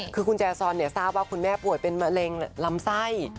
คือคุณแจซอนทราบว่าคุณแม่ป่วยเป็นมะเร็งลำไส้